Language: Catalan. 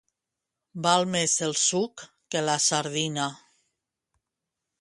Val més el suc que la sardina.